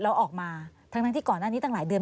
แล้วออกมาทั้งที่ก่อนหน้านี้ตั้งหลายเดือน